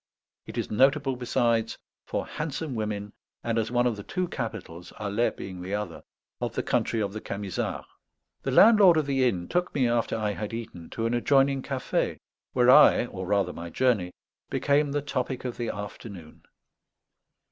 It is notable, besides, for handsome women, and as one of the two capitals, Alais being the other, of the country of the Camisards. The landlord of the inn took me, after I had eaten, to an adjoining café, where I, or rather my journey, became the topic of the afternoon.